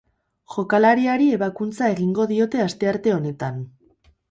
Jokalariari ebakuntza egingo diote astearte honetan.